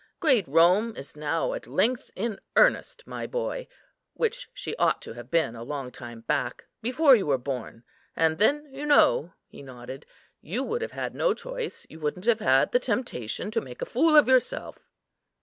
Great Rome is now at length in earnest, my boy, which she ought to have been a long time back, before you were born; and then you know," and he nodded, "you would have had no choice; you wouldn't have had the temptation to make a fool of yourself."